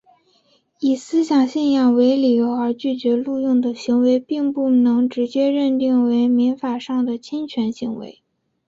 以思想信仰为理由而拒绝录用的行为并不能直接认定为民法上的侵权行为。